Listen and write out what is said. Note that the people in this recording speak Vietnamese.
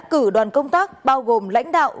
cử đoàn công tác bao gồm lãnh đạo